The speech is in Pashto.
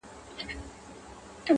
• زما د ژوند د كرسمې خبري،